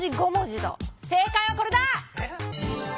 正解はこれだ！